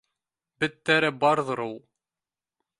Беттәре барҙыр ул!